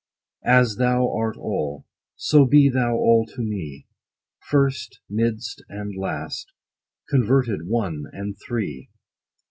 As thou art all, so be thou all to me, First, midst, and last, converted One, and Three